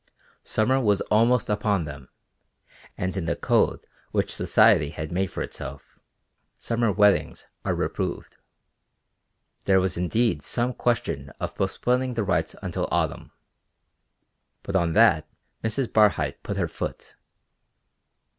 Summer was almost upon them, and in the code which society has made for itself, summer weddings are reproved. There was indeed some question of postponing the rites until autumn. But on that Mrs. Barhyte put her foot.